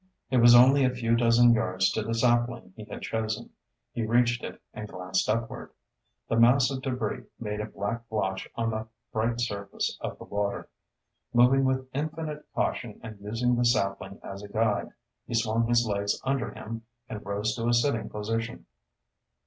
It was only a few dozen yards to the sapling he had chosen. He reached it and glanced upward. The mass of debris made a black blotch on the bright surface of the water. Moving with infinite caution and using the sapling as a guide, he swung his legs under him and rose to a sitting position.